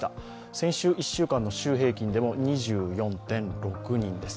先週１週間の週平均でも２４．６人です。